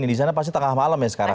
di sana pasti tengah malam ya sekarang